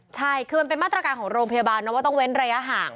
ใช่คือมันเป็นมาตรการของโรงพยาบาลนะว่าต้องเว้นระยะห่าง